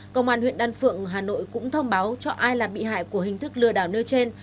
công an huyện đan phượng hà nội cũng thông báo cho ai là bị hại của hình thức lừa đảo nơi trên